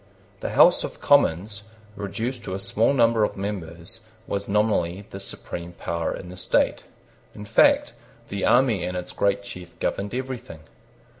The House of Commons, reduced to a small number of members, was nominally the supreme power in the state. In fact, the army and its great chief governed everything.